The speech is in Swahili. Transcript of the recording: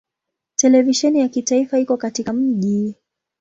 Televisheni ya kitaifa iko katika mji.